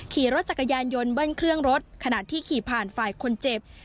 ขี่รถจักรยานยนต์เบิ้ลเครื่องรถขณะที่ขี่ผ่านฝ่ายคนเจ็บ